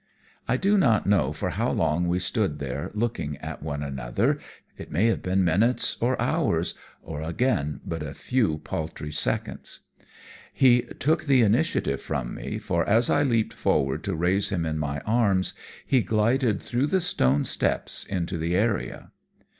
"I do not know for how long we stood there looking at one another, it may have been minutes or hours, or, again, but a few paltry seconds. He took the initiative from me, for, as I leaped forward to raise him in my arms, he glided through the stone steps into the area.